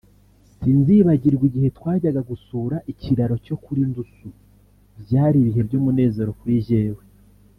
sinzibagirwa igihe twajyaga gusura ikiraro cyo kuri Ndusu byari ibihe by’umunezero kuri jyewe